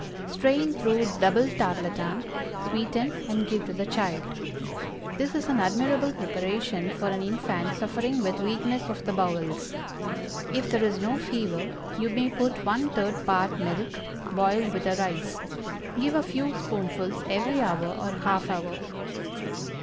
Strain through double tarlatan, sweeten, and give to the child. This is an admirable preparation for an infant suffering with weakness of the bowels. If there is no fever, you may put one third part milk, boiled with the rice. Give a few spoonfuls every hour or half hour.